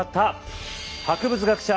博物学者